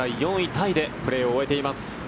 タイでプレーを終えています。